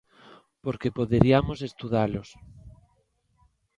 Porque poderiamos estudalos.